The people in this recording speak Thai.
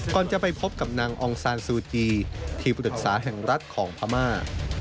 ก่อนจะไปพบกับนางองซานซูจีที่ปรึกษาแห่งรัฐของพม่า